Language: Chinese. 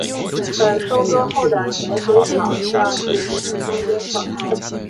而收割后的咸水草需要即时从中间破开。